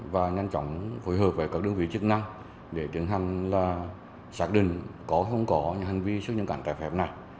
và nhanh chóng phối hợp với các đơn vị chức năng để tiến hành là xác định có không có những hành vi xuất nhập cảnh trái phép này